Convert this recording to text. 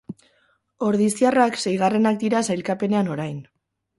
Ordiziarrak seigarrenak dira sailkapenean orain.